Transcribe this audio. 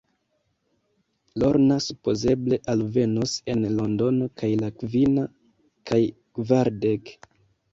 Lorna supozeble alvenos en Londono je la kvina kaj kvardek.